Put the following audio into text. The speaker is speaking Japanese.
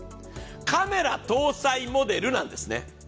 カメラ搭載モデルなんですね。